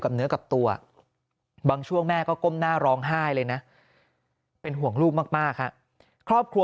เนื้อกับตัวบางช่วงแม่ก็ก้มหน้าร้องไห้เลยนะเป็นห่วงลูกมากฮะครอบครัว